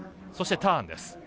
そして、ターンです。